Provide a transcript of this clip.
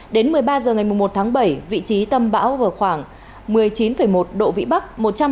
đến một mươi ba h ngày một mươi một tháng bảy vị trí tâm bão ở vào khoảng một mươi chín một độ vĩ bắc